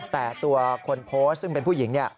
แต่ตัวคนโพสต์ซึ่งเป็นผู้หญิง